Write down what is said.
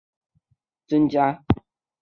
苏格兰修士数量也开始增加。